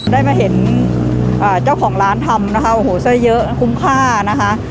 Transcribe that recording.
ได้มาเห็นเจ้าของร้านทำนะคะโอ้โหไส้เยอะคุ้มค่านะคะ